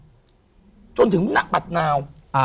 ผู้หญิงหนักบัตรนาว